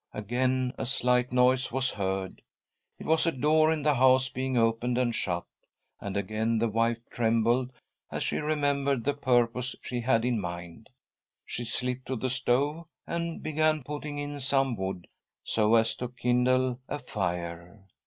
Again a slight noise was heard. It was a door in the house being opened and shut, and again the wife trembled as she remembered the purpose she had in mind. She slipped to the stove and began putting in some wood, so as to kindle* a fire.